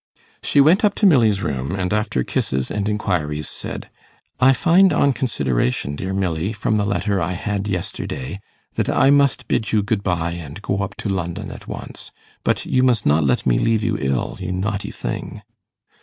She went up to Milly's room, and, after kisses and inquiries, said 'I find, on consideration, dear Milly, from the letter I had yesterday, that I must bid you good bye and go up to London at once. But you must not let me leave you ill, you naughty thing.